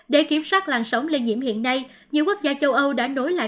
để kiểm soát làn sóng lây nhiễm hiện nay nhiều quốc gia châu âu đã nối lại